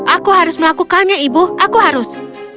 aku harus melakukannya ibu aku harus